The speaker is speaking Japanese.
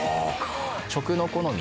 食の好み